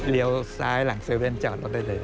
เดี๋ยวซ้ายหลัง๗๑๑จอดแล้วได้เลย